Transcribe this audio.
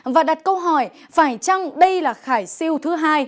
và đặt câu hỏi phải chăng đây là khải siêu thứ hai